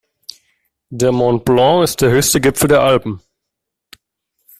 Der Mont Blanc ist der höchste Gipfel der Alpen.